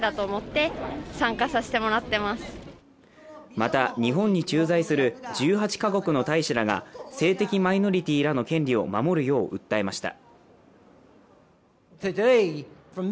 また日本に駐在する１８か国の大使らが性的マイノリティらの権利を守るよう訴えました。